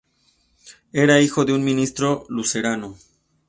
Era hijo de un ministro luterano.